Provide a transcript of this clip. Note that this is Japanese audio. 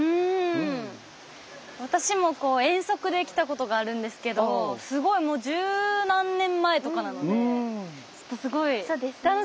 私も遠足で来たことがあるんですけどすごいもう十何年前とかなのですごい楽しみですねはい。